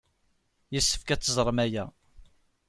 Yessefk ad teẓrem aya.